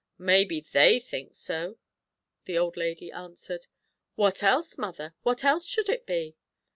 "Maybe they think so," the old lady answered. "What else, mother? what else should it be?"